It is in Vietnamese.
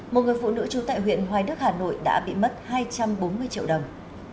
một người phụ nữ trú tại huyện hoài đức hà nội đã bị mất hai trăm bốn mươi triệu đồng